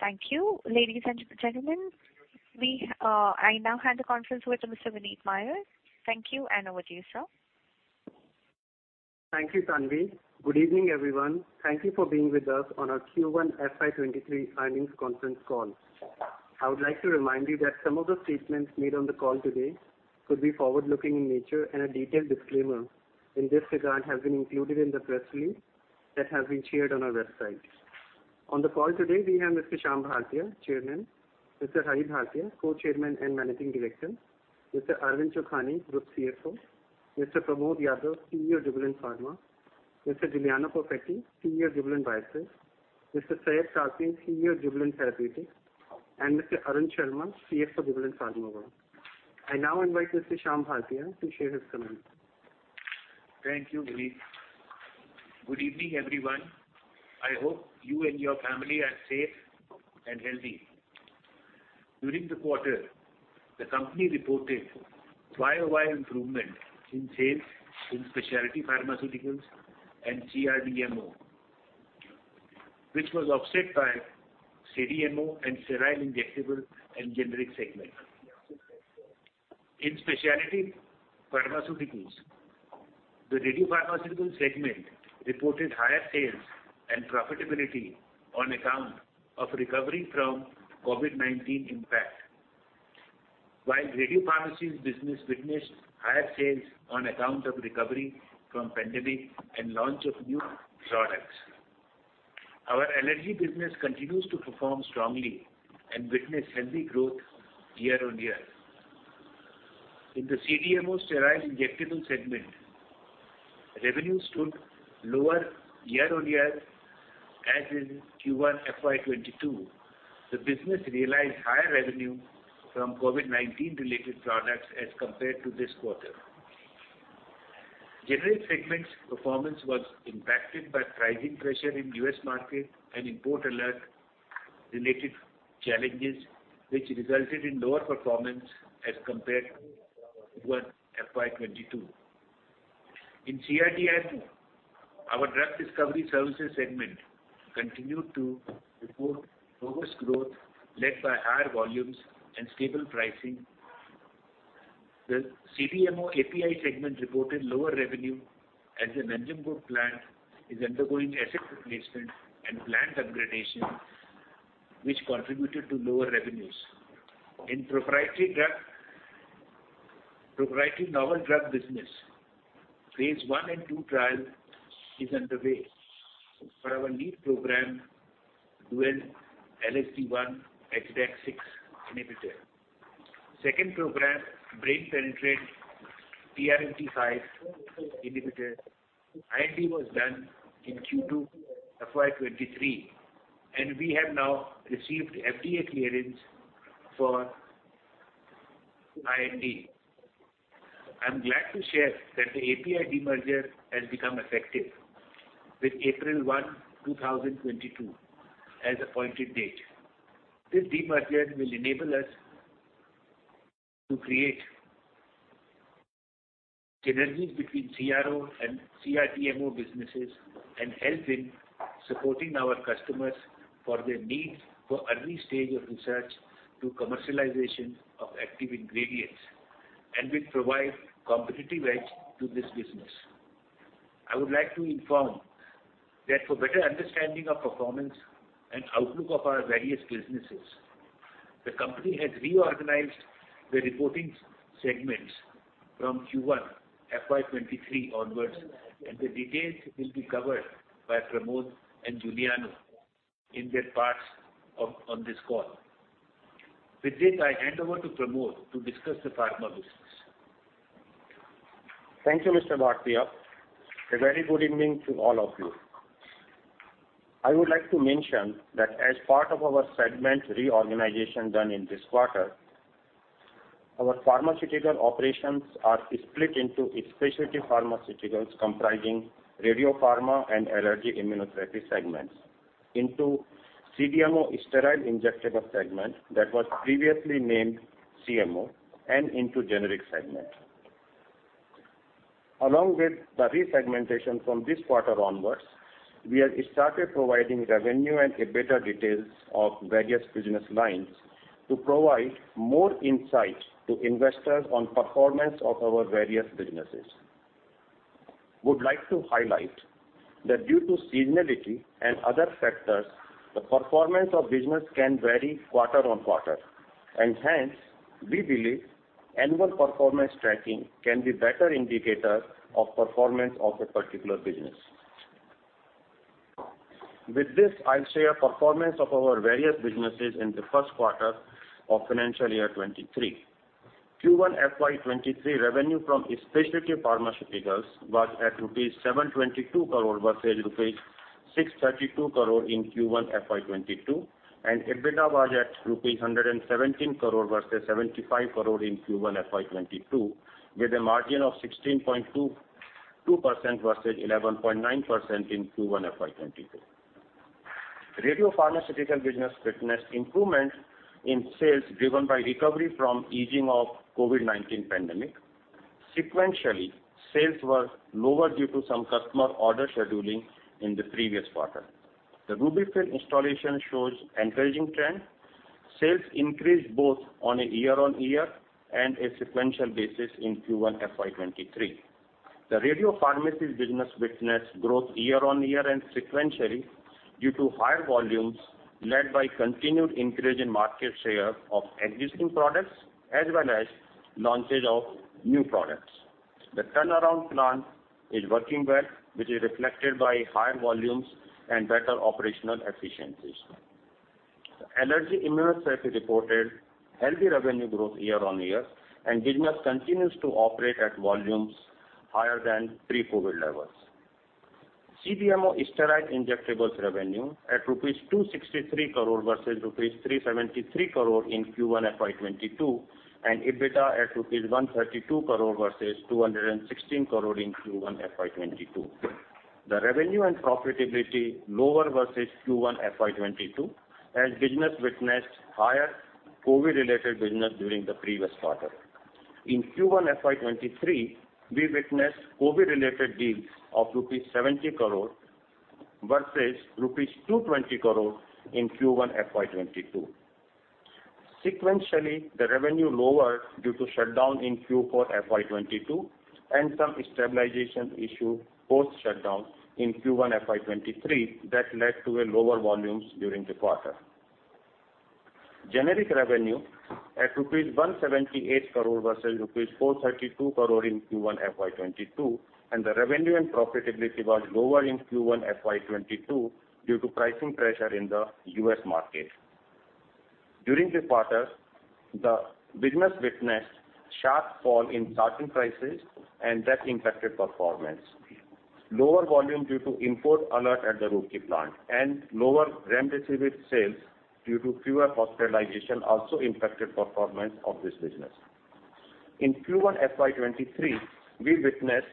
Thank you. Ladies and gentlemen, we, I now hand the conference over to Mr. Vineet Mayer. Thank you, and over to you, sir. Thank you, Tanvi. Good evening, everyone. Thank you for being with us on our Q1 FY 2023 earnings conference call. I would like to remind you that some of the statements made on the call today could be forward-looking in nature, and a detailed disclaimer in this regard has been included in the press release that has been shared on our website. On the call today we have Mr. Shyam Bhartia, Chairman, Mr. Hari Bhartia, Co-chairman and Managing Director, Mr. Arvind Chokhani, Group CFO, Mr. Pramod Yadav, CEO Jubilant Pharma, Mr. Giuliano Perfetti, CEO Jubilant Biosys, Mr. Syed Kazmi, CEO Jubilant Therapeutics, and Mr. Arun Sharma, CFO Jubilant Pharma. I now invite Mr. Shyam Bhartia to share his comments. Thank you, Vineet. Good evening, everyone. I hope you and your family are safe and healthy. During the quarter, the company reported year-over-year improvement in sales in Specialty Pharmaceuticals and CRDMO, which was offset by CDMO and sterile injectable and generic segment. In Specialty Pharmaceuticals, the radiopharmaceutical segment reported higher sales and profitability on account of recovery from COVID-19 impact. While radiopharmaceuticals business witnessed higher sales on account of recovery from pandemic and launch of new products. Our allergy business continues to perform strongly and witness healthy growth year-over-year. In the CDMO sterile injectable segment, revenue stood lower year-over-year as in Q1 FY 2022, the business realized higher revenue from COVID-19 related products as compared to this quarter. Generic segment's performance was impacted by pricing pressure in U.S. market and import alert related challenges, which resulted in lower performance as compared to Q1 FY 2022. In CRDMO, our drug discovery services segment continued to report lowest growth, led by higher volumes and stable pricing. The CDMO API segment reported lower revenue as the Nanjangud plant is undergoing asset replacement and plant upgradation, which contributed to lower revenues. In proprietary novel drug business, phase I and II trial is underway for our lead program, dual LSD1/HDAC6 inhibitor. Second program, brain-penetrant PRMT5 inhibitor, IND was done in Q2 FY 2023, and we have now received FDA clearance for IND. I'm glad to share that the API demerger has become effective with April 1, 2022 as appointed date. This demerger will enable us to create synergies between CRO and CRDMO businesses, and help in supporting our customers for their needs for early stage of research to commercialization of active ingredients, and will provide competitive edge to this business. I would like to inform that for better understanding of performance and outlook of our various businesses, the company has reorganized the reporting segments from Q1 FY 2023 onwards, and the details will be covered by Pramod and Giuliano in their parts on this call. With this, I hand over to Pramod to discuss the pharma business. Thank you, Mr. Bhartia. A very good evening to all of you. I would like to mention that as part of our segment reorganization done in this quarter, our pharmaceutical operations are split into Specialty Pharmaceuticals comprising radiopharma and allergy immunotherapy segments, into CDMO sterile injectable segment that was previously named CMO, and into generic segment. Along with the re-segmentation from this quarter onwards, we have started providing revenue and EBITDA details of various business lines to provide more insight to investors on performance of our various businesses. I would like to highlight that due to seasonality and other factors, the performance of business can vary quarter on quarter. Hence, we believe annual performance tracking can be better indicator of performance of a particular business. With this, I'll share performance of our various businesses in the first quarter of financial year 2023. Q1 FY 2023 revenue from Specialty Pharmaceuticals was at rupees 722 crore versus rupees 632 crore in Q1 FY 2022, and EBITDA was at rupees 117 crore versus 75 crore in Q1 FY 2022 with a margin of 16.22% versus 11.9% in Q1 FY 2022. Radiopharmaceutical business witnessed improvement in sales driven by recovery from easing of COVID-19 pandemic. Sequentially, sales were lower due to some customer order scheduling in the previous quarter. The RUBY-FILL installation shows encouraging trend. Sales increased both on a year-over-year and a sequential basis in Q1 FY 2023. The radiopharmaceuticals business witnessed growth year-over-year and sequentially due to higher volumes led by continued increase in market share of existing products as well as launches of new products. The turnaround plan is working well, which is reflected by higher volumes and better operational efficiencies. The allergy immunotherapy reported healthy revenue growth year-on-year, and business continues to operate at volumes higher than pre-COVID levels. CDMO sterile injectables revenue at rupees 263 crore versus rupees 373 crore in Q1 FY 2022, and EBITDA at rupees 132 crore versus 216 crore in Q1 FY 2022. The revenue and profitability lower versus Q1 FY 2022 as business witnessed higher COVID-related business during the previous quarter. In Q1 FY 2023, we witnessed COVID-related deals of rupees 70 crore versus rupees 220 crore in Q1 FY 2022. Sequentially, the revenue lower due to shutdown in Q4 FY 2022 and some stabilization issue post-shutdown in Q1 FY 2023 that led to a lower volumes during the quarter. Generic revenue at rupees 178 crore versus rupees 432 crore in Q1 FY 2022, and the revenue and profitability was lower in Q1 FY 2022 due to pricing pressure in the U.S. market. During this quarter, the business witnessed sharp fall in certain prices and that impacted performance. Lower volume due to import alert at the Roorkee plant and lower remdesivir sales due to fewer hospitalization also impacted performance of this business. In Q1 FY 2023, we witnessed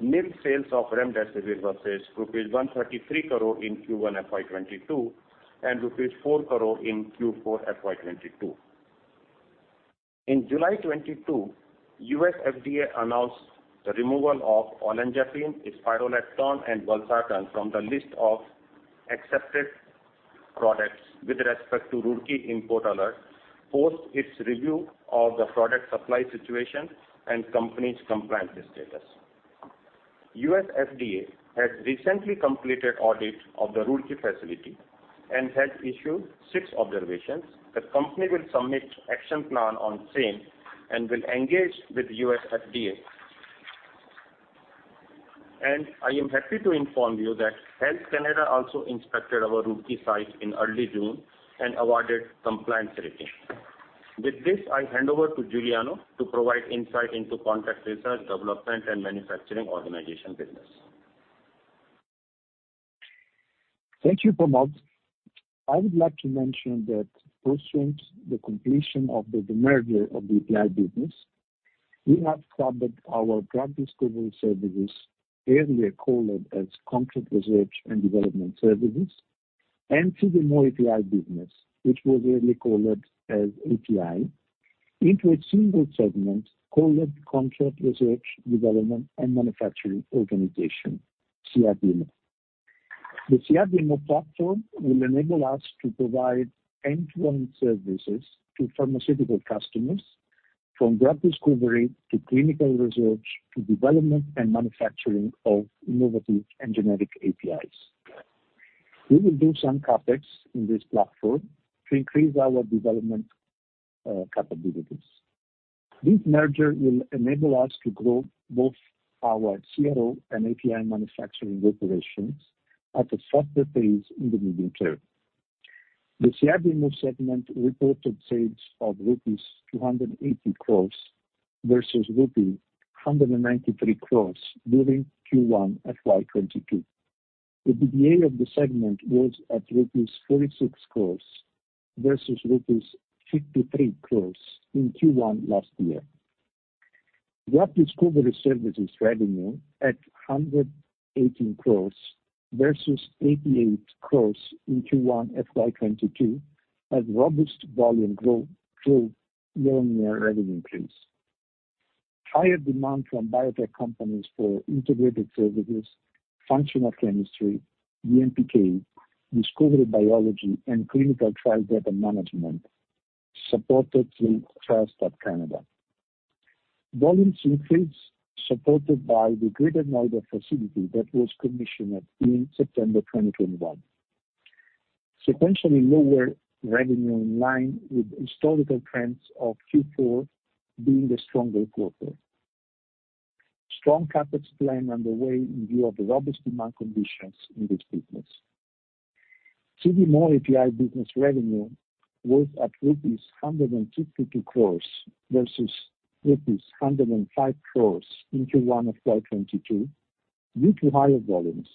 nil sales of remdesivir versus rupees 133 crore in Q1 FY 2022 and rupees 4 crore in Q4 FY 2022. In July 2022, U.S. FDA announced the removal of olanzapine, spironolactone and valsartan from the list of accepted products with respect to Roorkee import alert post its review of the product supply situation and company's compliance status. U.S. FDA has recently completed audit of the Roorkee facility and has issued six observations. The company will submit action plan on same and will engage with U.S. FDA. I am happy to inform you that Health Canada also inspected our Roorkee site in early June and awarded compliance rating. With this, I hand over to Giuliano to provide insight into contract research, development, and manufacturing organization business. Thank you, Pramod. I would like to mention that pursuant to the completion of the demerger of the API business, we have clubbed our drug discovery services, earlier called as contract research and development services, and CDMO API business, which was really called as API, into a single segment called Contract Research, Development and Manufacturing Organization, CRDMO. The CRDMO platform will enable us to provide end-to-end services to pharmaceutical customers from drug discovery, to clinical research, to development and manufacturing of innovative and generic APIs. We will do some CapEx in this platform to increase our development capabilities. This merger will enable us to grow both our CRO and API manufacturing operations at a faster pace in the medium term. The CRDMO segment reported sales of rupees 280 crore versus rupee 193 crore during Q1 FY 2022. The EBITDA of the segment was at rupees 46 crore versus rupees 53 crore in Q1 last year. Drug discovery services revenue at 118 crore versus 88 crore in Q1 FY 2022 had robust volume growth year-on-year revenue increase. Higher demand from biotech companies for integrated services, functional chemistry, DMPK, discovery biology, and clinical trial data management supported growth first half Canada. Volumes increase supported by the Greater Noida facility that was commissioned in September 2021. Sequentially lower revenue in line with historical trends of Q4 being the stronger quarter. Strong CapEx plan underway in view of the robust demand conditions in this business. CDMO API business revenue was at rupees 102.50 crore versus rupees 105 crore in Q1 of FY 2022 due to higher volumes.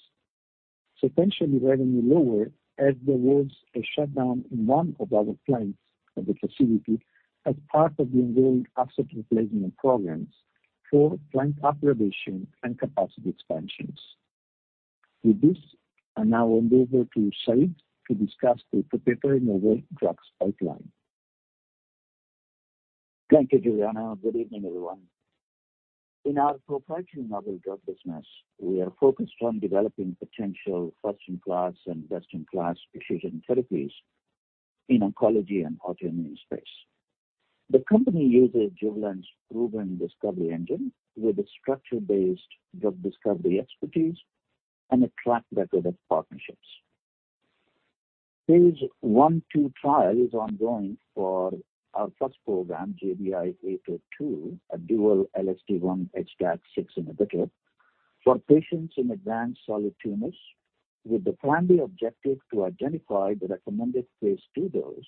Sequentially revenue lower as there was a shutdown in one of our plants at the facility as part of the ongoing asset replacement programs for plant upgradation and capacity expansions. With this, I now hand over to Syed to discuss the proprietary novel drugs pipeline. Thank you, Giuliano. Good evening, everyone. In our proprietary novel drug business, we are focused on developing potential first-in-class and best-in-class precision therapies in oncology and autoimmune space. The company uses Jubilant's proven discovery engine with a structure-based drug discovery expertise and a track record of partnerships. Phase I/II trial is ongoing for our first program, JBI-802, a dual LSD1/HDAC6 inhibitor for patients in advanced solid tumors with the primary objective to identify the recommended phase II dose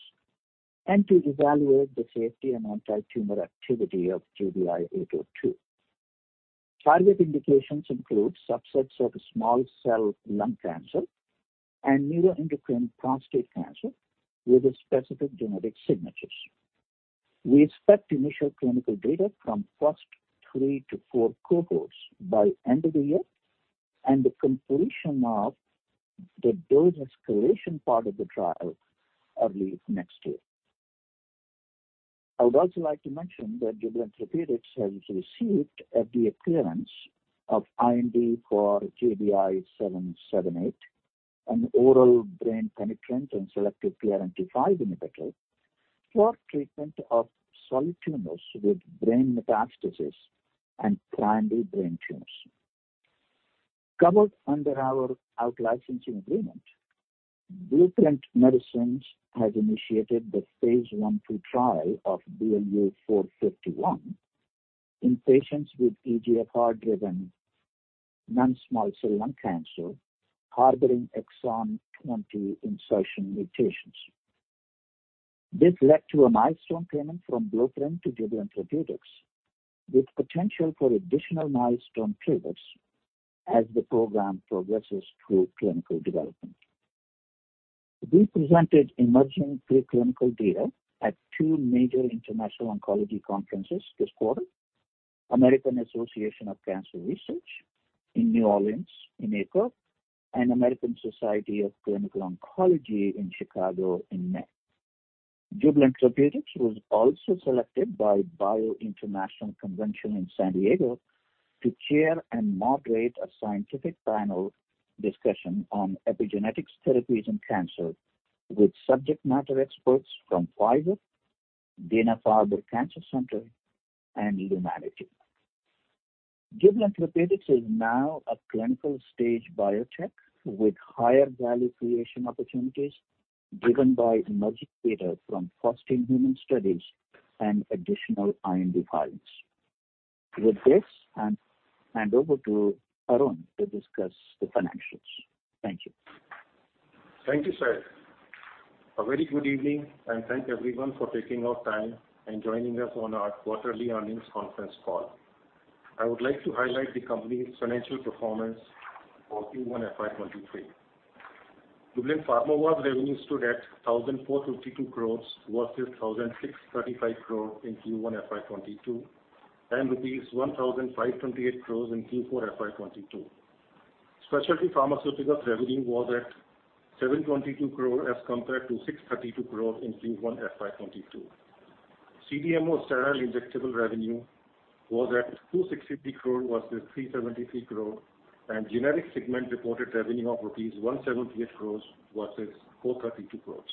and to evaluate the safety and antitumor activity of JBI-802. Target indications include subsets of small cell lung cancer and neuroendocrine prostate cancer with specific genetic signatures. We expect initial clinical data from first three to four cohorts by end of the year, and the completion of the dose escalation part of the trial early next year. I would also like to mention that Jubilant Therapeutics has received FDA clearance of IND for JBI-778, an oral, brain-penetrant, selective PRMT5 inhibitor for treatment of solid tumors with brain metastases and primary brain tumors. Covered under our out-licensing agreement, Blueprint Medicines has initiated the phase I/II trial of BLU-451 in patients with EGFR-driven non-small cell lung cancer harboring exon 20 insertion mutations. This led to a milestone payment from Blueprint to Jubilant Therapeutics, with potential for additional milestone triggers as the program progresses through clinical development. We presented emerging preclinical data at two major international oncology conferences this quarter, American Association for Cancer Research in New Orleans in April, and American Society of Clinical Oncology in Chicago in May. Jubilant Therapeutics was also selected by BIO International Convention in San Diego to chair and moderate a scientific panel discussion on epigenetics therapies in cancer with subject matter experts from Pfizer, Dana-Farber Cancer Institute, and Lunarity. Jubilant Therapeutics is now a clinical stage biotech with higher value creation opportunities given by emerging data from first-in-human studies and additional IND filings. With this, I hand over to Arun to discuss the financials. Thank you. Thank you, Syed. A very good evening, and thank everyone for taking out time and joining us on our quarterly earnings conference call. I would like to highlight the company's financial performance for Q1 FY 2023. Jubilant Pharmova revenue stood at 1,452 crore versus 1,635 crore in Q1 FY 2022, and rupees 1,528 crore in Q4 FY 2022. Specialty pharmaceuticals revenue was at 722 crore as compared to 632 crore in Q1 FY 2022. CDMO sterile injectable revenue was at 260 crore versus 373 crore, and generic segment reported revenue of rupees 178 crore versus 432 crore.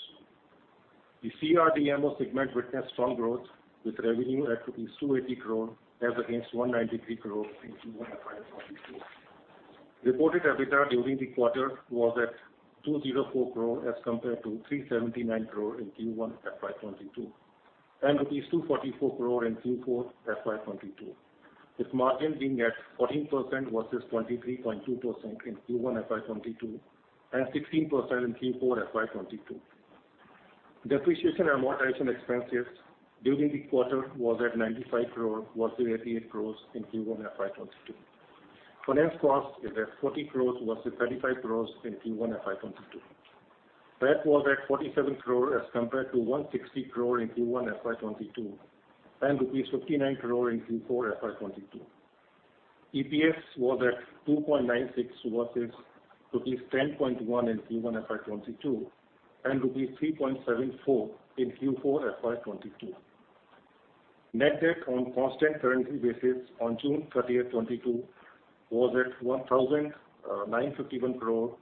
The CRDMO segment witnessed strong growth, with revenue at rupees 280 crore as against 193 crore in Q1 FY 2022. Reported EBITDA during the quarter was at 204 crore as compared to 379 crore in Q1 FY 2022, and INR 244 crore in Q4 FY 2022, with margin being at 14% versus 23.2% in Q1 FY 2022, and 16% in Q4 FY 2022. Depreciation and amortization expenses during the quarter was at 95 crore versus 88 crore in Q1 FY 2022. Finance cost is at 40 crore versus 35 crore in Q1 FY 2022. CapEx was at 47 crore as compared to 160 crore in Q1 FY 2022, and rupees 59 crore in Q4 FY 2022. EPS was at 2.96 versus rupees 10.1 in Q1 FY 2022, and rupees 3.74 in Q4 FY 2022. Net debt on constant currency basis on June 30th, 2022 was at 1,951 crore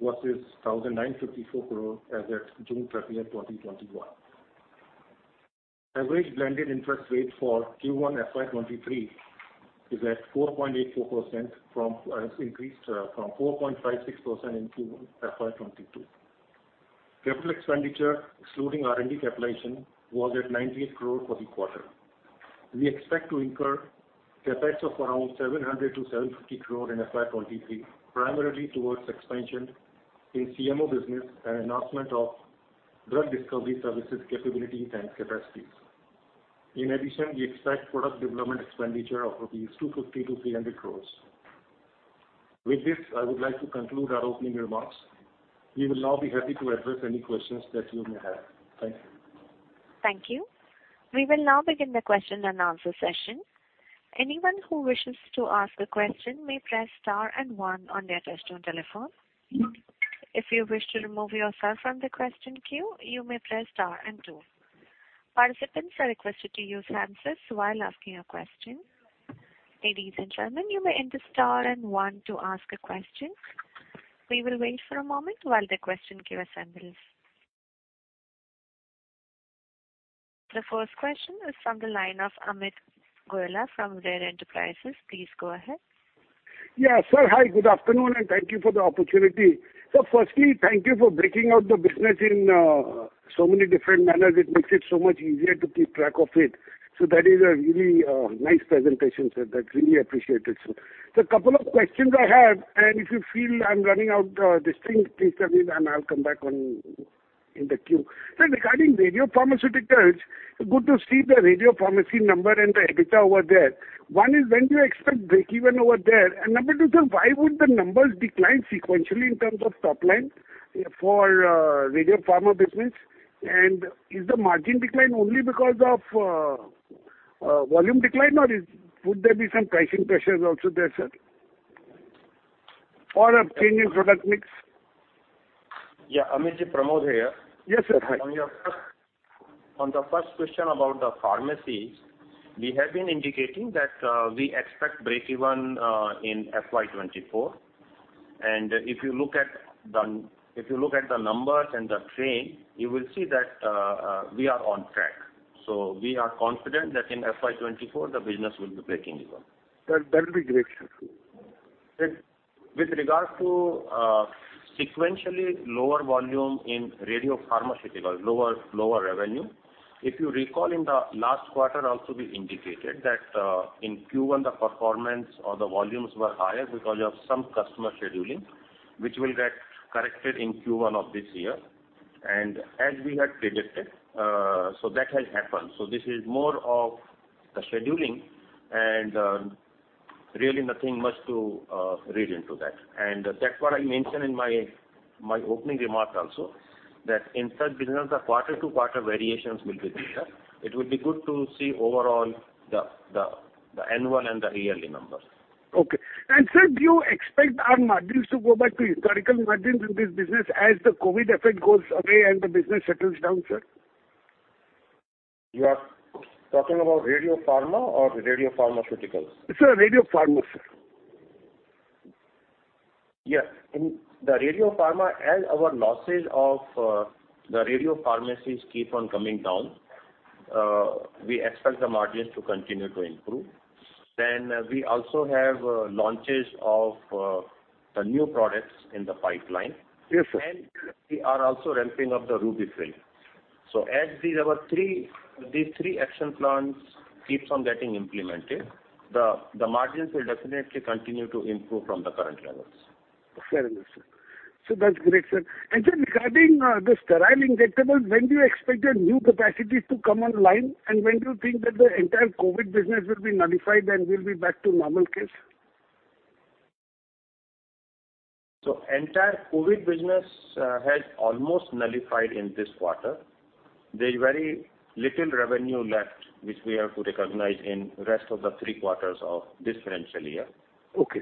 versus 1,954 crore as at June 30th, 2021. Average blended interest rate for Q1 FY 2023 is at 4.84% has increased from 4.56% in Q1 FY 2022. CapEx excluding R&D capitalization was at 98 crore for the quarter. We expect to incur CapEx of around 700 crore-750 crore in FY 2023, primarily towards expansion in CMO business and enhancement of drug discovery services capabilities and capacities. In addition, we expect product development expenditure of 250 crore-300 crore rupees. With this, I would like to conclude our opening remarks. We will now be happy to address any questions that you may have. Thank you. Thank you. We will now begin the question and answer session. Anyone who wishes to ask a question may press star and one on their touchtone telephone. If you wish to remove yourself from the question queue, you may press star and two. Participants are requested to use a handset while asking a question. Ladies and gentlemen, you may enter star and one to ask a question. We will wait for a moment while the question queue assembles. The first question is from the line of Amit Goela from Rare Enterprises. Please go ahead. Yeah, sir. Hi, good afternoon, and thank you for the opportunity. Firstly, thank you for breaking out the business in so many different manners. It makes it so much easier to keep track of it. That is a really nice presentation, sir. That's really appreciated, sir. A couple of questions I have, and if you feel I'm running out of this thing, please let me know and I'll come back on in the queue. Sir, regarding radiopharmaceuticals, good to see the radiopharmacy number and the EBITDA over there. One is when do you expect breakeven over there? Number two, sir, why would the numbers decline sequentially in terms of top line for radiopharma business? Is the margin decline only because of volume decline or would there be some pricing pressures also there, sir? A change in product mix? Yeah, Amit ji, Pramod here. Yes, sir. Hi. On the first question about the pharmacies, we have been indicating that we expect breakeven in FY 2024. If you look at the numbers and the trend, you will see that we are on track. We are confident that in FY 2024, the business will be breaking even. That, that'll be great, sir. With regards to sequentially lower volume in radiopharmaceutical, lower revenue, if you recall in the last quarter also we indicated that in Q1 the performance or the volumes were higher because of some customer scheduling, which will get corrected in Q1 of this year. As we had predicted, so that has happened. This is more of the scheduling and really nothing much to read into that. That's what I mentioned in my opening remark also, that in such business, the quarter-to-quarter variations will be bigger. It would be good to see overall the annual and the yearly numbers. Okay. Sir, do you expect our margins to go back to historical margins in this business as the COVID effect goes away and the business settles down, sir? You are talking about radiopharma or radiopharmaceuticals? Sir, radiopharma, sir. Yes. In the radiopharma, as our losses of the radiopharmacies keep on coming down, we expect the margins to continue to improve. We also have launches of the new products in the pipeline. Yes, sir. We are also ramping up the RUBY-FILL. As these three action plans keeps on getting implemented, the margins will definitely continue to improve from the current levels. Fair enough, sir. That's great, sir. Sir, regarding this sterile injectables, when do you expect the new capacity to come online? And when do you think that the entire COVID business will be nullified and we'll be back to normal case? Entire COVID business has almost nullified in this quarter. There's very little revenue left, which we have to recognize in rest of the three quarters of this financial year. Okay.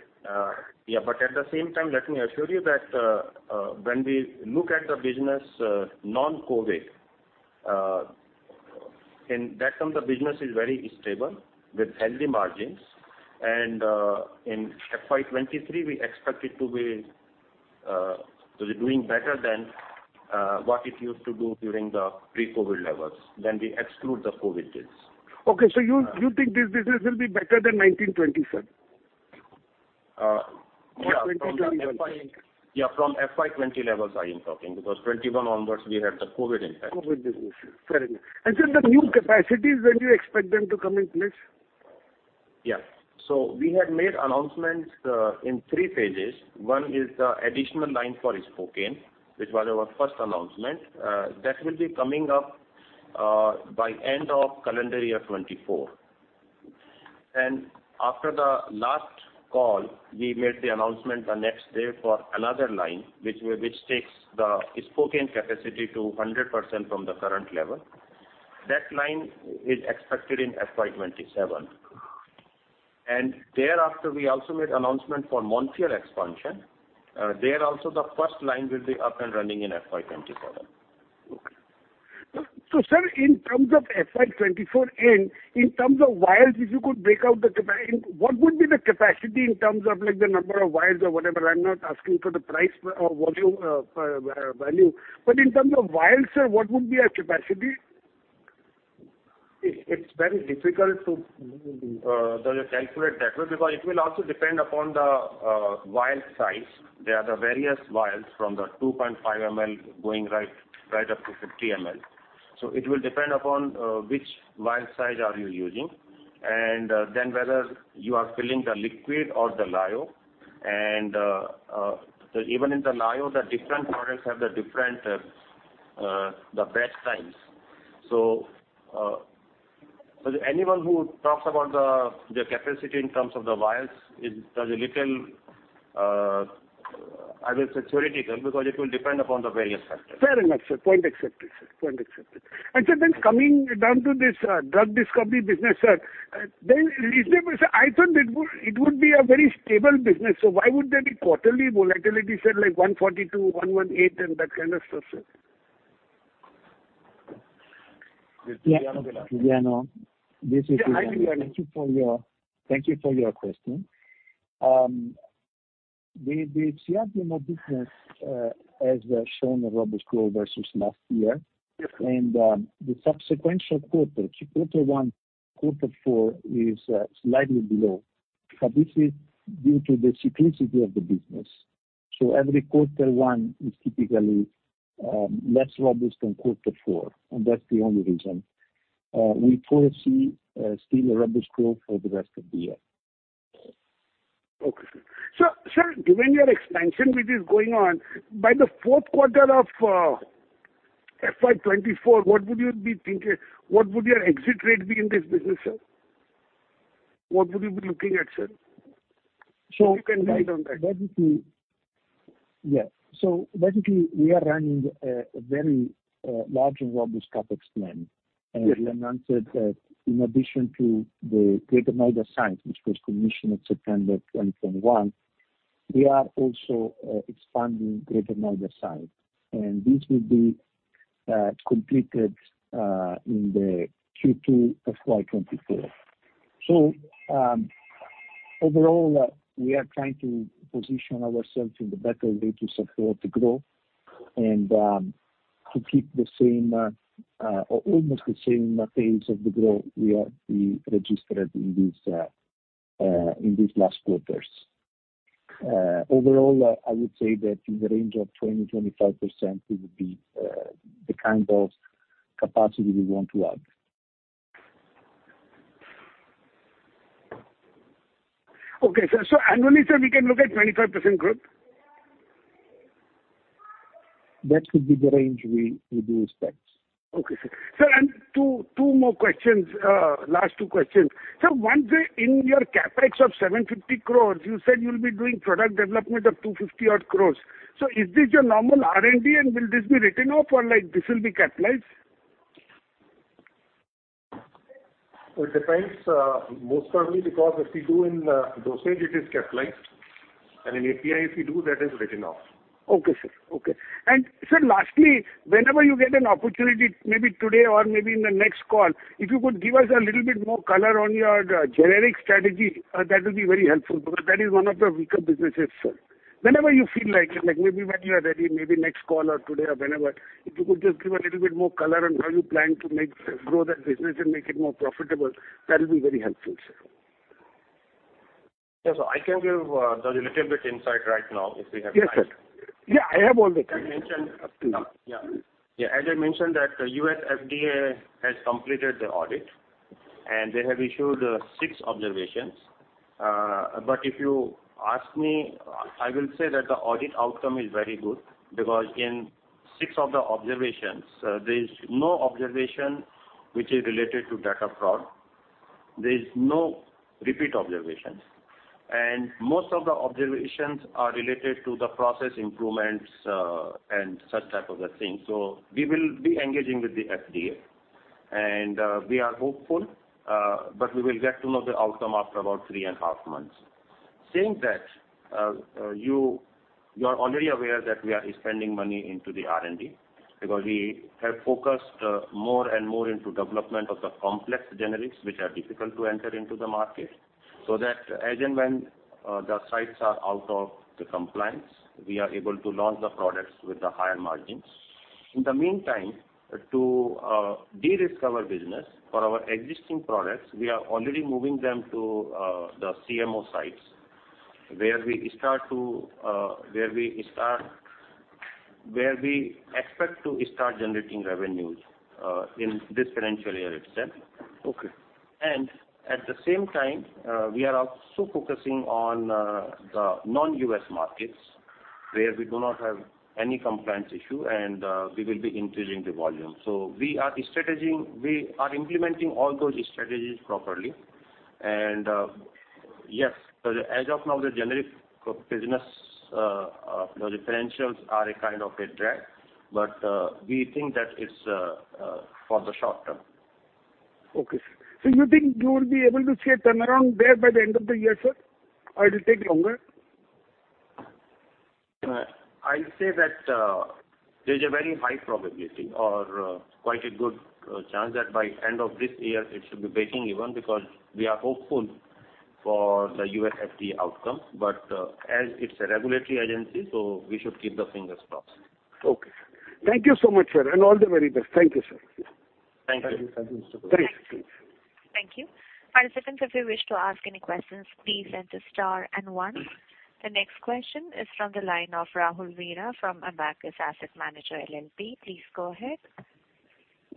Yeah. At the same time, let me assure you that, when we look at the business, non-COVID, in that term, the business is very stable with healthy margins. In FY 2023, we expect it to be doing better than what it used to do during the pre-COVID levels, when we exclude the COVID case. Okay. You think this business will be better than 1920, sir? Yeah. 2021. Yeah, from FY 2020 levels, I am talking because 2021 onwards we had the COVID impact. COVID business. Fair enough. Sir, the new capacities, when do you expect them to come in place? Yeah. We had made announcements in three phases. One is the additional line for Spokane, which was our first announcement. That will be coming up by end of calendar year 2024. After the last call, we made the announcement the next day for another line which takes the Spokane capacity to 100% from the current level. That line is expected in FY 2027. Thereafter, we also made announcement for Montreal expansion. There also the first line will be up and running in FY 2024. Sir, in terms of FY 2024 end, in terms of vials, what would be the capacity in terms of like the number of vials or whatever? I'm not asking for the price or volume, value. In terms of vials, sir, what would be our capacity? It's very difficult to calculate that way because it will also depend upon the vial size. There are various vials from 2.5 ml going right up to 50 ml. It will depend upon which vial size are you using, and then whether you are filling the liquid or the lyo. Even in the lyo, the different products have the different batch size. Anyone who talks about their capacity in terms of the vials is a little theoretical, because it will depend upon the various factors. Fair enough, sir. Point accepted, sir. Sir, coming down to this drug discovery business, sir, is there. Sir, I thought it would be a very stable business, so why would there be quarterly volatility, sir, like 142, 118, and that kind of stuff, sir? Yes. Yeah, Giuliano. This is Giuliano. Yeah, hi, Giuliano. Thank you for your question. The CRDMO business has shown a robust growth versus last year. Yes, sir. The subsequent quarter one, quarter four is slightly below. This is due to the seasonality of the business. Every quarter one is typically less robust than quarter four, and that's the only reason. We foresee still a robust growth for the rest of the year. Okay, sir. Sir, given your expansion which is going on, by the fourth quarter of FY 2024, what would you be thinking? What would your exit rate be in this business, sir? What would you be looking at, sir? So- If you can guide on that. Basically, yeah. Basically, we are running a very large and robust CapEx plan. Yes, sir. We announced that in addition to the Greater Noida site, which was commissioned in September 2021, we are also expanding Greater Noida site. This will be completed in the Q2 of FY 2024. Overall, we are trying to position ourselves in the better way to support the growth and to keep the same or almost the same pace of the growth we registered in these last quarters. Overall, I would say that in the range of 20%-25% will be the kind of capacity we want to add. Okay, sir. Annually, sir, we can look at 25% growth? That could be the range we do expect. Okay, sir. Sir, two more questions, last two questions. Sir, one day in your CapEx of 750 crore, you said you'll be doing product development of 250-odd crore. Is this your normal R&D and will this be written off or like this will be capitalized? It depends, most probably because if we do in dosage it is capitalized. In API if we do, that is written off. Okay, sir. Sir, lastly, whenever you get an opportunity, maybe today or maybe in the next call, if you could give us a little bit more color on your generic strategy, that will be very helpful because that is one of the weaker businesses, sir. Whenever you feel like it, like maybe when you are ready, maybe next call or today or whenever, if you could just give a little bit more color on how you plan to make grow that business and make it more profitable, that would be very helpful, sir. Yes, I can give a little bit of insight right now if we have time. Yes, sir. Yeah, I have all the time. I mentioned. Up to you. Yeah. Yeah, as I mentioned that U.S. FDA has completed the audit and they have issued six observations. If you ask me, I will say that the audit outcome is very good because in six of the observations, there is no observation which is related to data fraud. There is no repeat observations. Most of the observations are related to the process improvements, and such type of a thing. We will be engaging with the FDA. We are hopeful, but we will get to know the outcome after about three and a half months. Saying that, you are already aware that we are spending money into the R&D because we have focused more and more into development of the complex generics which are difficult to enter into the market, so that as and when the sites are out of the compliance, we are able to launch the products with the higher margins. In the meantime, to de-risk our business for our existing products, we are already moving them to the CMO sites, where we expect to start generating revenues in this financial year itself. Okay. At the same time, we are also focusing on the non-U.S. markets, where we do not have any compliance issue and we will be increasing the volume. We are strategizing, we are implementing all those strategies properly. Yes, as of now the generic business financials are a kind of a drag, but we think that it's for the short term. Okay, sir. You think you will be able to see a turnaround there by the end of the year, sir? Or it'll take longer? I'll say that there's a very high probability or quite a good chance that by end of this year it should be breaking even because we are hopeful for the U.S. FDA outcome. As it's a regulatory agency, so we should keep the fingers crossed. Okay. Thank you so much, sir, and all the very best. Thank you, sir. Thank you. Thank you. Thanks. Thank you. Participants, if you wish to ask any questions, please enter star and one. The next question is from the line of Rahul Veera from Abakkus Asset Manager LLP. Please go ahead.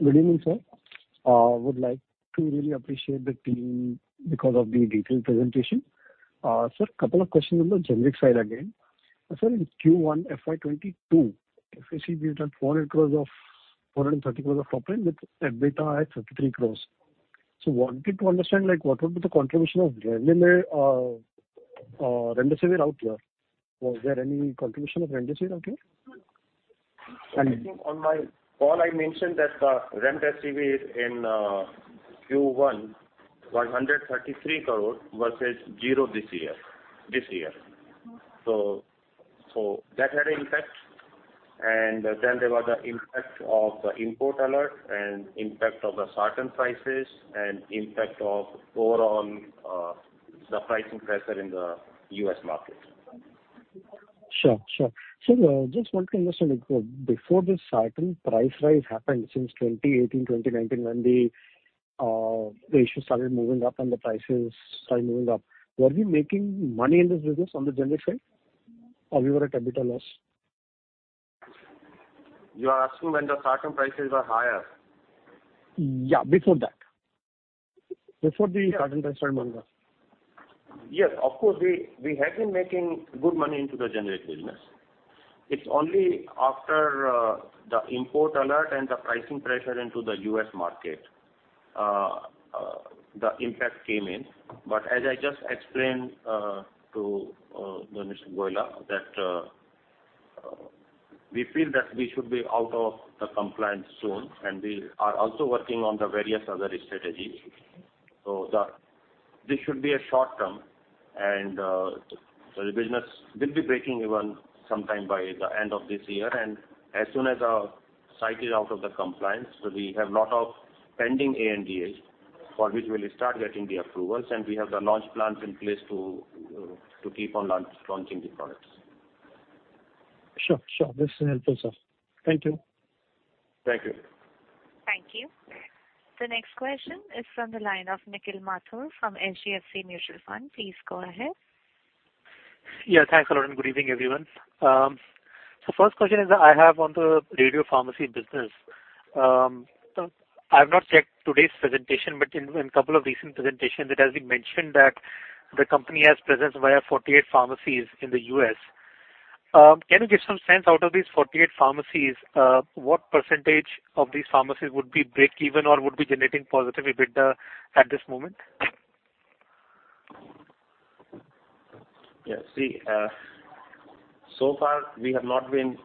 Good evening, sir. Would like to really appreciate the team because of the detailed presentation. Sir, couple of questions on the generic side again. In Q1 FY 2022, if you see we've done 430 crore of top line with EBITDA at 33 crore. Wanted to understand, like, what would be the contribution of revenue from Remdesivir route here. Was there any contribution of Remdesivir route here? I think on my call I mentioned that the remdesivir in Q1 was 133 crore versus zero this year. That had impact. There was the impact of the import alert and impact of the sartans prices and impact of overall the pricing pressure in the U.S. market. Sure, sure. Just want to understand, like, before this certain price rise happened since 2018, 2019 when the ratio started moving up and the prices started moving up, were we making money in this business on the generic side? Or we were at capital loss? You are asking when the current prices are higher? Yeah, before that. Before the certain prices moved up. Yes, of course, we have been making good money in the generic business. It's only after the import alert and the pricing pressure in the U.S. market the impact came in. As I just explained to Mr. Goela that we feel that we should be out of the compliance soon, and we are also working on the various other strategies. This should be a short term and the business will be breaking even sometime by the end of this year. As soon as our site is out of the compliance, we have lot of pending ANDAs for which we'll start getting the approvals, and we have the launch plans in place to keep on launching the products. Sure, sure. This is helpful, sir. Thank you. Thank you. Thank you. The next question is from the line of Nikhil Mathur from HDFC Mutual Fund. Please go ahead. Yeah, thanks a lot, and good evening, everyone. First question I have on the radiopharmacy business. I haven't checked today's presentation, but in a couple of recent presentations, it has been mentioned that the company has presence in 48 pharmacies in the U.S. Can you give some sense out of these 48 pharmacies, what percentage of these pharmacies would be break even or would be generating positive EBITDA at this moment? Yeah. See, so far we have not been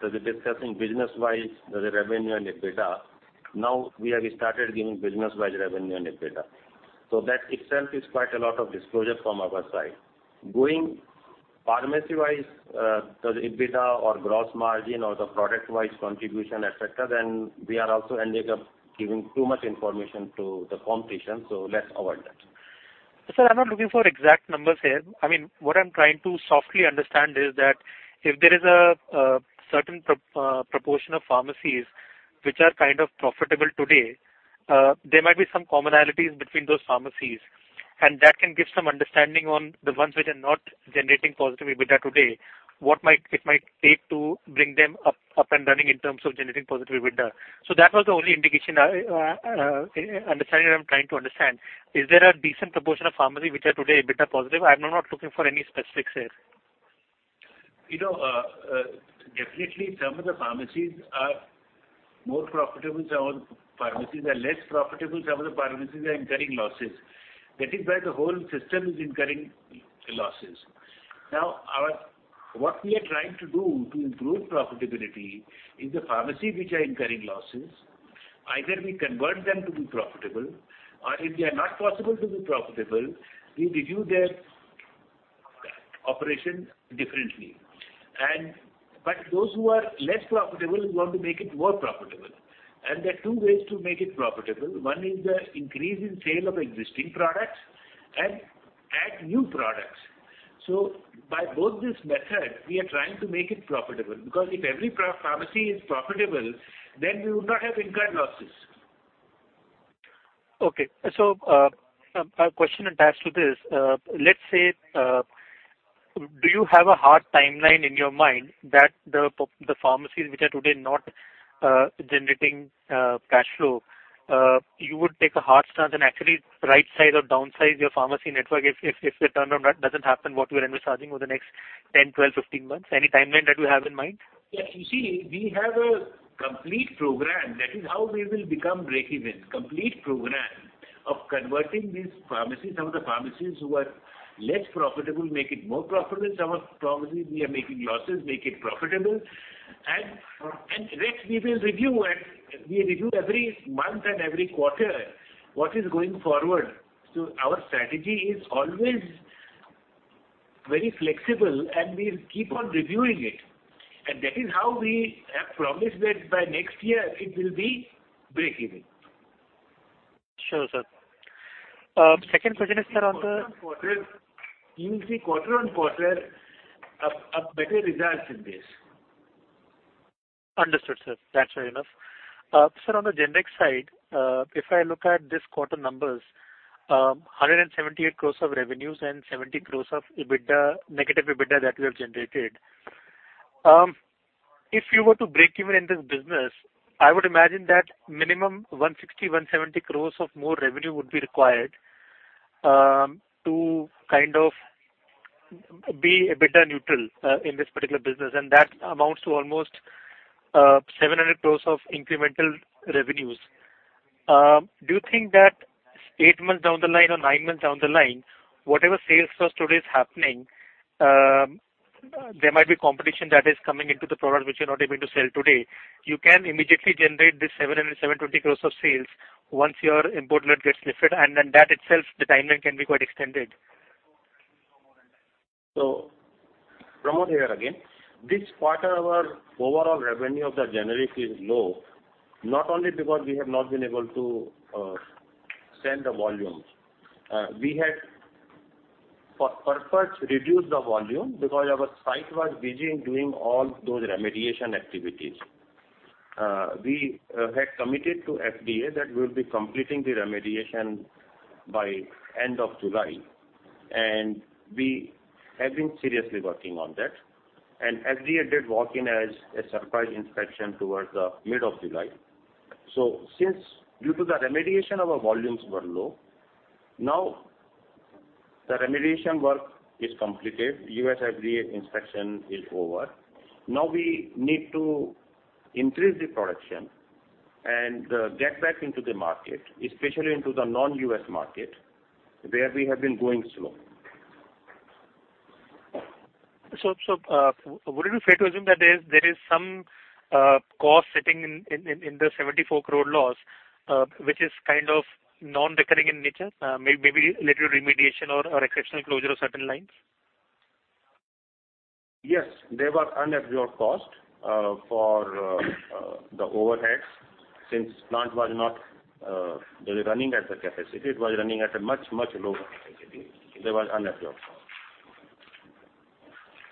discussing business-wise the revenue and EBITDA. Now we have started giving business-wise revenue and EBITDA. That itself is quite a lot of disclosure from our side. Going pharma-wise, the EBITDA or gross margin or the product-wise contribution, et cetera, then we also end up giving too much information to the competition, so let's avoid that. Sir, I'm not looking for exact numbers here. I mean, what I'm trying to sort of understand is that if there is a certain proportion of pharmacies which are kind of profitable today, there might be some commonalities between those pharmacies, and that can give some understanding on the ones which are not generating positive EBITDA today. What might it take to bring them up and running in terms of generating positive EBITDA? That was the only indication, understanding that I'm trying to understand. Is there a decent proportion of pharmacies which are today EBITDA positive? I'm not looking for any specifics here. You know, definitely some of the pharmacies are more profitable, some of the pharmacies are less profitable, some of the pharmacies are incurring losses. That is why the whole system is incurring losses. Now, what we are trying to do to improve profitability is the pharmacy which are incurring losses, either we convert them to be profitable or if they are not possible to be profitable, we review their operation differently. Those who are less profitable, we want to make it more profitable. There are two ways to make it profitable. One is the increase in sale of existing products and add new products. By both this method, we are trying to make it profitable, because if every pharmacy is profitable, then we would not have incurred losses. Okay. A question attached to this. Let's say, do you have a hard timeline in your mind that the pharmacies which are today not generating cash flow you would take a hard stance and actually right size or downsize your pharmacy network if the turnaround doesn't happen what we are envisaging over the next 10, 12, 15 months? Any timeline that you have in mind? Yes. You see, we have a complete program. That is how we will become breakeven. Complete program of converting these pharmacies. Some of the pharmacies who are less profitable, make it more profitable. Some of the pharmacies we are making losses, make it profitable. Next we will review and we review every month and every quarter what is going forward. Our strategy is always very flexible, and we keep on reviewing it. That is how we have promised that by next year it will be breakeven. Sure, sir. Second question is, sir, on the- Quarter-over-quarter. You will see quarter-over-quarter better results in this. Understood, sir. That's fair enough. Sir, on the generic side, if I look at this quarter numbers, 178 crore of revenues and 70 crore of EBITDA, negative EBITDA that we have generated. If you were to break even in this business, I would imagine that minimum 160 crore, 170 crore of more revenue would be required, to kind of be a bit of neutral, in this particular business, and that amounts to almost, 700 crore of incremental revenues. Do you think that eight months down the line or nine months down the line, whatever sales for today is happening, there might be competition that is coming into the product which you're not able to sell today. You can immediately generate this 700 crore-720 crore of sales once your import ban gets lifted, and then that itself, the timeline can be quite extended. Pramod here again. This quarter, our overall revenue of the generic is low, not only because we have not been able to sell the volumes. We had on purpose reduced the volume because our site was busy in doing all those remediation activities. We had committed to FDA that we'll be completing the remediation by end of July, and we have been seriously working on that. FDA did walk in as a surprise inspection towards the mid of July. Since due to the remediation our volumes were low, now the remediation work is completed. U.S. FDA inspection is over. Now we need to increase the production and get back into the market, especially into the non-U.S. market, where we have been going slow. Would it be fair to assume that there is some cost sitting in the 74 crore loss, which is kind of non-recurring in nature, maybe little remediation or exceptional closure of certain lines? Yes. They were unabsorbed cost for the overheads since plant was not really running at the capacity. It was running at a much, much lower capacity. They were unabsorbed costs.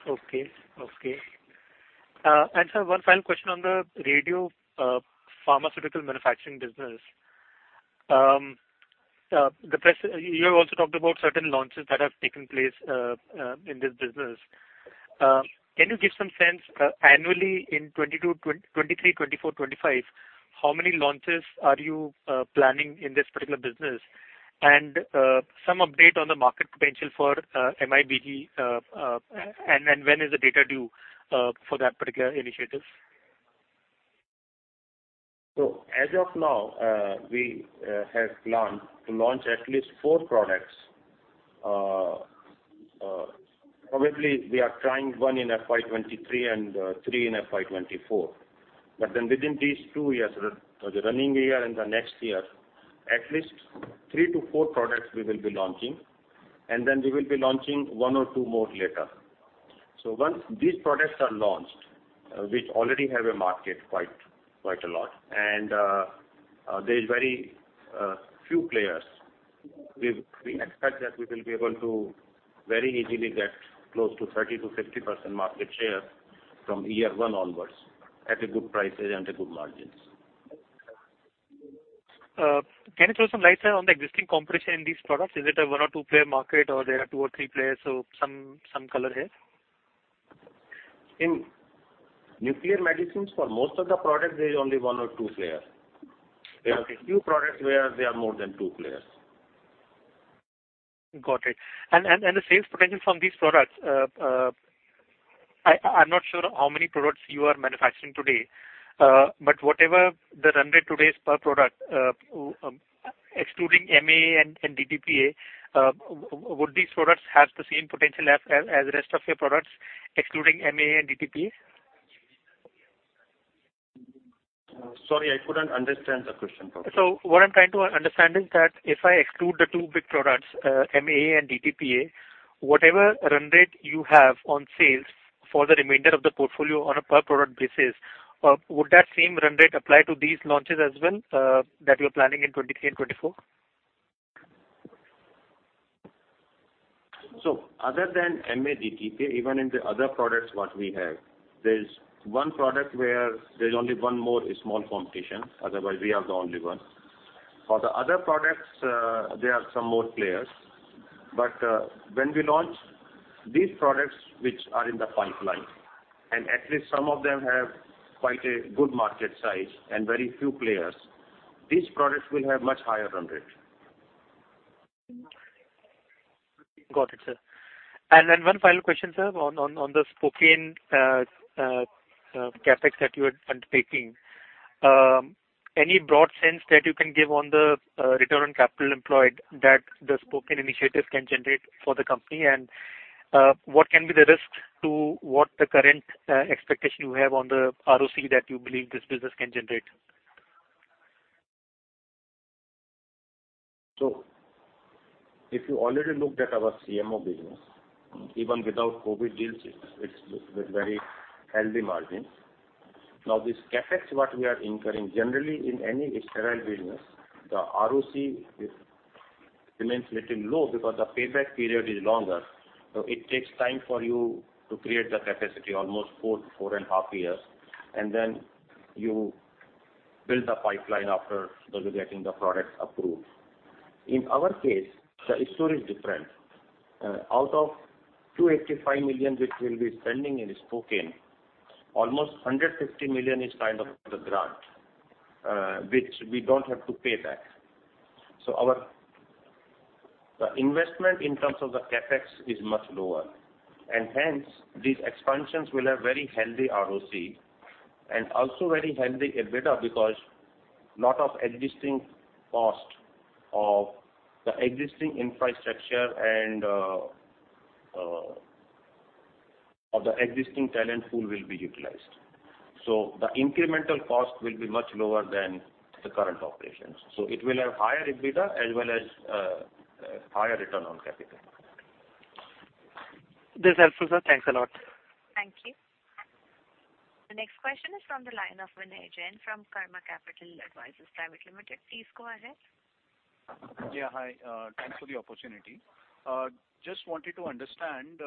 Okay. Sir, one final question on the radiopharmaceutical manufacturing business. You have also talked about certain launches that have taken place in this business. Can you give some sense, annually in 2022, 2023, 2024, 2025, how many launches are you planning in this particular business? Some update on the market potential for MIBG. When is the data due for that particular initiative? As of now, we have planned to launch at least four products. Probably we are trying one in FY 2023 and three in FY 2024. Within these two years, the running year and the next year, at least three to four products we will be launching, and then we will be launching one or two more later. Once these products are launched, which already have a market quite a lot, and there's very few players, we expect that we will be able to very easily get close to 30%-50% market share from year one onwards at a good prices and a good margins. Can you throw some light, sir, on the existing competition in these products? Is it a one or two-player market or there are two or three players? Some color here. In nuclear medicines, for most of the products there is only one or two players. Okay. There are a few products where there are more than two players. Got it. The sales potential from these products, I'm not sure how many products you are manufacturing today, but whatever the run rate today is per product, excluding MAA and DTPA, would these products have the same potential as the rest of your products, excluding MAA and DTPA? Sorry, I couldn't understand the question properly. What I'm trying to understand is that if I exclude the two big products, MAA and DTPA, whatever run rate you have on sales for the remainder of the portfolio on a per product basis, would that same run rate apply to these launches as well, that you're planning in 2023 and 2024? Other than MAA, DTPA, even in the other products what we have, there's one product where there's only one more small competition, otherwise we are the only one. For the other products, there are some more players. When we launch these products which are in the pipeline, and at least some of them have quite a good market size and very few players, these products will have much higher run rate. Got it, sir. One final question, sir, on the Spokane CapEx that you are undertaking. Any broad sense that you can give on the return on capital employed that the Spokane initiative can generate for the company? What can be the risk to what the current expectation you have on the ROC that you believe this business can generate? If you already looked at our CMO business, even without COVID deals, it's with very healthy margins. Now this CapEx what we are incurring, generally in any sterile business, the ROC remains little low because the payback period is longer. It takes time for you to create the capacity, almost four to four and a half years. Then you build the pipeline after those are getting the products approved. In our case, the story is different. Out of $285 million which we'll be spending in Spokane, almost $150 million is kind of the grant, which we don't have to pay back. The investment in terms of the CapEx is much lower, and hence these expansions will have very healthy ROC, and also very healthy EBITDA because lot of existing cost of the existing infrastructure and of the existing talent pool will be utilized. The incremental cost will be much lower than the current operations. It will have higher EBITDA as well as higher return on capital. That's helpful, sir. Thanks a lot. Thank you. The next question is from the line of Vinay Jain from Karma Capital Advisors Private Limited. Please go ahead. Yeah. Hi. Thanks for the opportunity. Just wanted to understand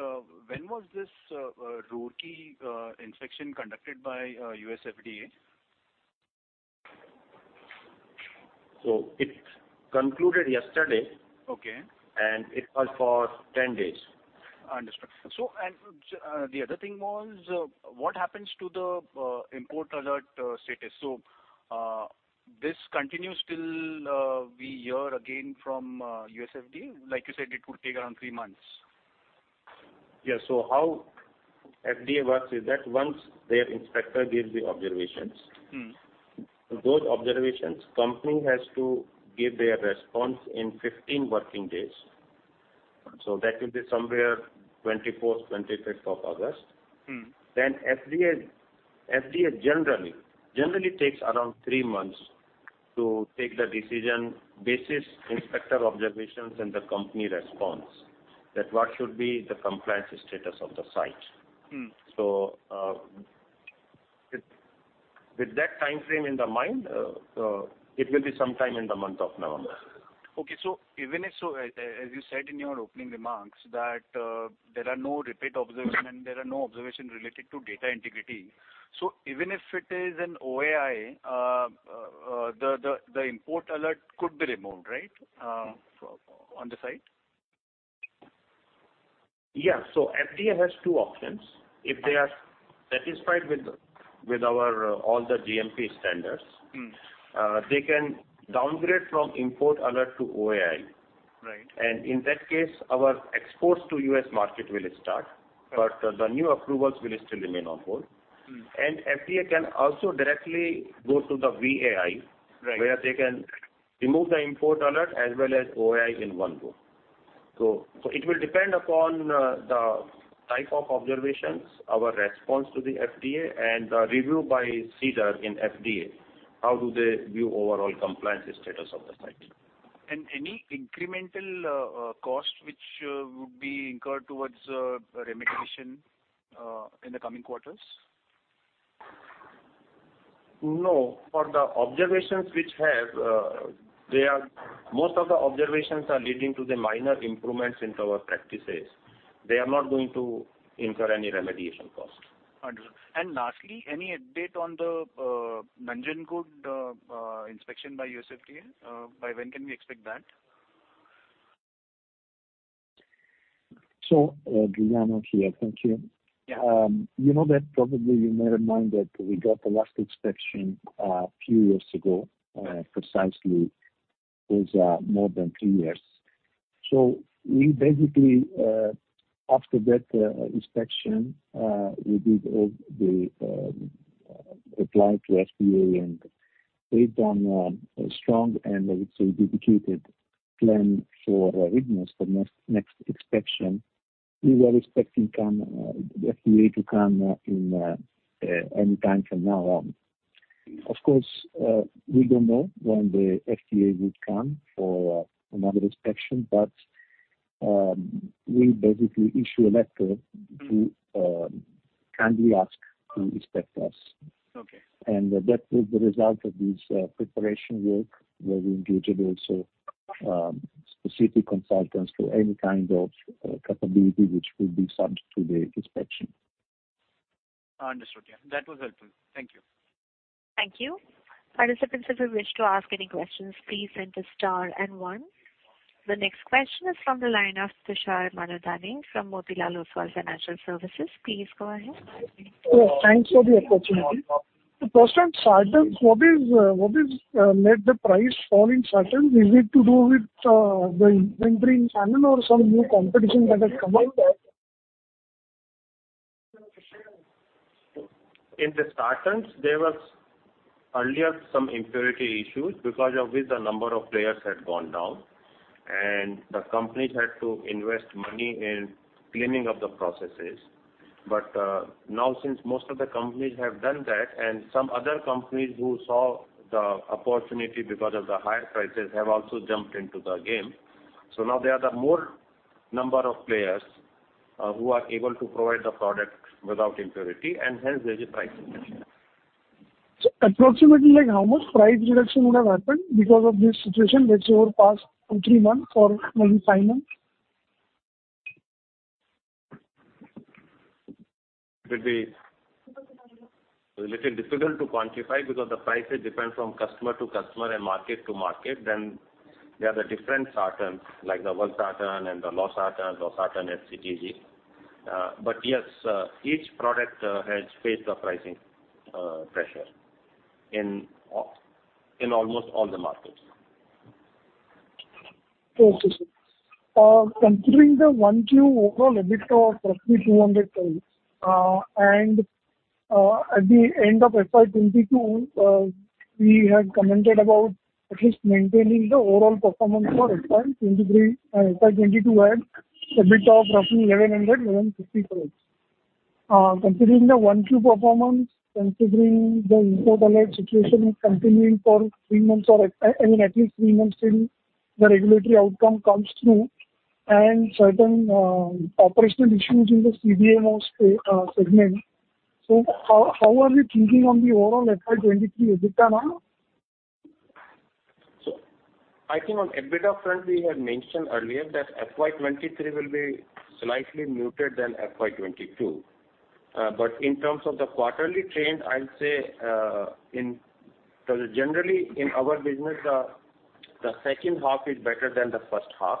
when was this Roorkee inspection conducted by U.S. FDA? It concluded yesterday. Okay. It was for 10 days. Understood. The other thing was, what happens to the import alert status? This continues till we hear again from U.S. FDA? Like you said, it could take around three months. Yeah. How FDA works is that once their inspector gives the observations- Mm-hmm. Those observations, company has to give their response in 15 working days. Okay. That will be somewhere 24th, 25th of August. Mm-hmm. FDA generally takes around three months to take the decision based on inspector observations and the company response, that what should be the compliance status of the site. Mm-hmm. with that timeframe in the mind, it will be some time in the month of November. Okay. Even if, as you said in your opening remarks that there are no repeat observations, there are no observations related to data integrity. Even if it is an OAI, the import alert could be removed, right, on the site? Yeah. FDA has two options. If they are satisfied with our all the GMP standards. Mm-hmm. They can downgrade from import alert to OAI. Right. In that case, our exports to U.S. market will start. Okay. The new approvals will still remain on hold. Mm-hmm. FDA can also directly go to the VAI. Right. Where they can remove the import alert as well as OAI in one go. It will depend upon the type of observations, our response to the FDA and the review by CDER in FDA, how they view overall compliance status of the site. Any incremental cost which would be incurred towards remediation in the coming quarters? No. Most of the observations are leading to the minor improvements in our practices. They are not going to incur any remediation cost. Understood. Lastly, any update on the Nanjangud inspection by U.S. FDA? By when can we expect that? Giuliano here. Thank you. Yeah. You know that probably you may remember that we got the last inspection a few years ago. Precisely it was more than two years. We basically after that inspection we did all the applied to FDA and we've done a strong and I would say dedicated plan for the rigorous next inspection. We were expecting the FDA to come in any time from now on. Of course we don't know when the FDA would come for another inspection but we basically issued a letter to kindly ask to inspect us. Okay. That was the result of this preparation work, where we engaged also specific consultants for any kind of capability which will be subject to the inspection. Understood. Yeah. That was helpful. Thank you. Thank you. Participants, if you wish to ask any questions, please enter star and one. The next question is from the line of Tushar Manudhane from Motilal Oswal Financial Services. Please go ahead. Yes, thanks for the opportunity. First on sartans, what is made the price fall in sartans? Is it to do with the inventory channel or some new competition that has come out? In the sartans there was earlier some impurity issues because of which the number of players had gone down, and the companies had to invest money in cleaning up the processes. Now since most of the companies have done that, and some other companies who saw the opportunity because of the higher prices have also jumped into the game. Now there are the more number of players, who are able to provide the product without impurity, and hence there's a price reduction. Approximately like how much price reduction would have happened because of this situation, let's say over past two, three months or maybe five months? It will be a little difficult to quantify because the prices depend from customer to customer and market to market, then there are the different sartans, like the valsartan and the losartan HCTZ. But yes, each product has faced the pricing pressure in almost all the markets. Okay, sir. Considering the Q1 overall EBITDA of roughly INR 200 crore, and at the end of FY 2022, we had commented about at least maintaining the overall performance for FY 2023, FY 2022 at EBIT of roughly INR 1,100 crore-INR 1,150 crore. Considering the Q1 performance, considering the import alert situation continuing for three months or at, I mean, at least three months till the regulatory outcome comes through and certain operational issues in the CDMO segment. How are you thinking on the overall FY 2023 EBITDA now? I think on EBITDA front, we had mentioned earlier that FY 2023 will be slightly muted than FY 2022. In terms of the quarterly trend, I'd say generally in our business, the second half is better than the first half.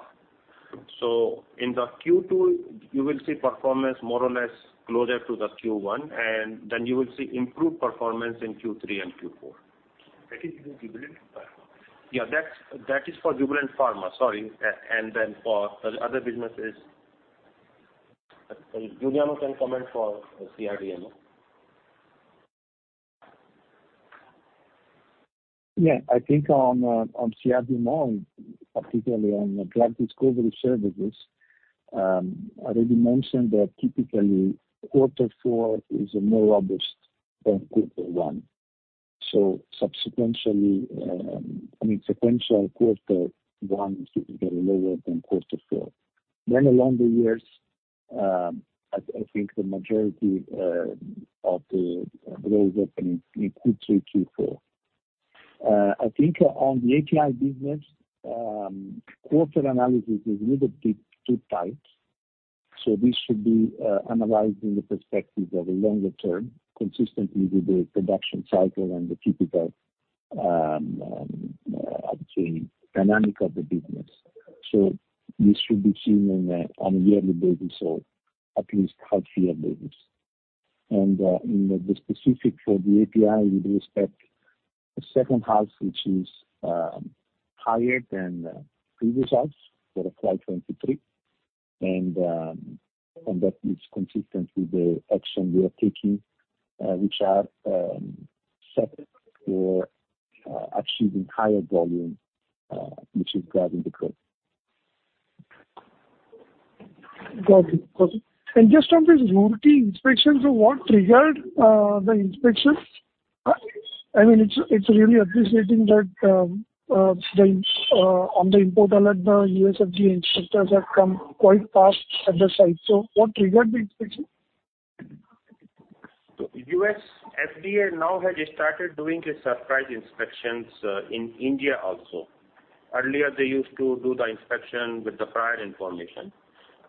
In the Q2 you will see performance more or less closer to the Q1, and then you will see improved performance in Q3 and Q4. That is for Jubilant Pharma. Yeah, that is for Jubilant Pharma. Sorry. Then for the other businesses, Giuliano can comment for CRDMO. Yeah. I think on CRDMO, particularly on the drug discovery services, I already mentioned that typically quarter four is more robust than quarter one. So substantially, I mean, sequential quarter one should be lower than quarter four. Then along the years, I think the majority of the growth happening in Q3, Q4. I think on the API business, quarter analysis is a little bit too tight, so this should be analyzed in the perspective of a longer term, consistently with the production cycle and the typical, I would say dynamic of the business. So this should be seen on a yearly basis or at least half yearly basis. In the specific for the API, we'd expect a second half which is higher than previous halves for FY 2023. that is consistent with the action we are taking, which are set for achieving higher volume, which is guiding the growth. Got it. Just on this routine inspections, what triggered the inspections? I mean, it's really appreciated that on the import alert, the U.S. FDA inspectors have come quite fast to the site. What triggered the inspection? U.S. FDA now has started doing the surprise inspections in India also. Earlier they used to do the inspection with the prior information.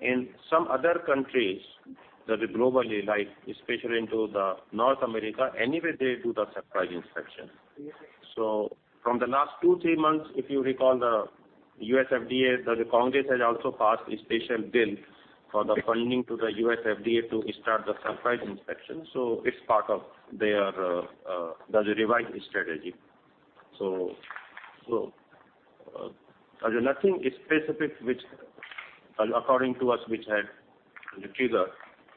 In some other countries globally, like especially in North America, anyway they do the surprise inspection. Yes. From the last two, three months, if you recall the U.S. FDA, that the Congress has also passed a special bill for the funding to the U.S. FDA to start the surprise inspection. It's part of their, the revised strategy. Nothing specific which according to us had the trigger.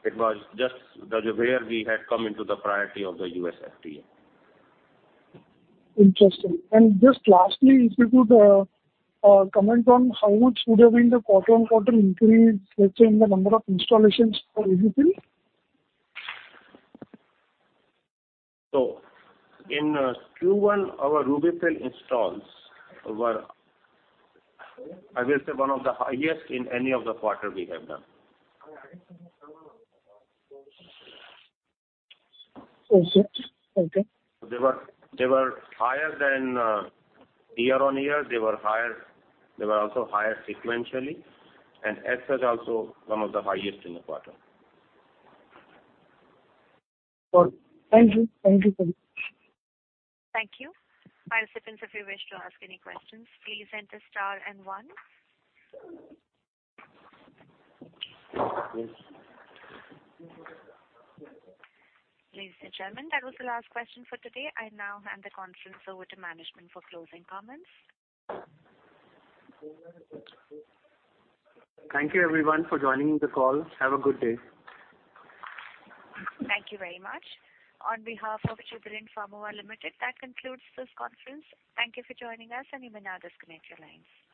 It was just that where we had come into the priority of the U.S. FDA. Interesting. Just lastly, if you could comment on how much would have been the quarter-over-quarter increase, let's say, in the number of installations for RUBY-FILL? In Q1, our RUBY-FILL installs were, I will say, one of the highest in any of the quarter we have done. Okay. Okay. They were higher year-on-year. They were also higher sequentially and as such one of the highest in the quarter. Got it. Thank you. Thank you, sir. Thank you. Participants, if you wish to ask any questions, please enter star and one. Ladies and gentlemen, that was the last question for today. I now hand the conference over to management for closing comments. Thank you everyone for joining the call. Have a good day. Thank you very much. On behalf of Jubilant Pharma Limited, that concludes this conference. Thank you for joining us and you may now disconnect your lines.